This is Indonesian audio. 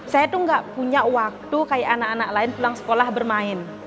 saya tuh gak punya waktu kayak anak anak lain pulang sekolah bermain